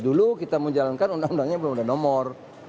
dulu kita menjalankan undang undangnya belum ada nomor